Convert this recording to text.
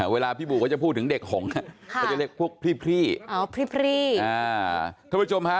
เวลาพี่บู๋เขาจะพูดถึงเด็กหงค์เขาจะเรียกพวกพรี